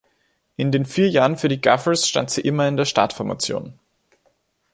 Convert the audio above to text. In den vier Jahren für die Gophers stand sie immer in der Startformation.